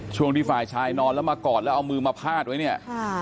ช่วงที่ฝ่ายชายนอนแล้วมากอดแล้วเอามือมาพาดไว้เนี่ยค่ะ